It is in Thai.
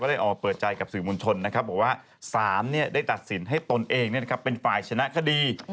ได้ออกเปิดใจกับสื่อมวลชนนะครับบอกว่าสารได้ตัดสินให้ตนเองเป็นฝ่ายชนะคดี